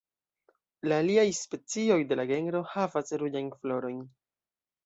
La aliaj specioj de la genro havas ruĝajn florojn.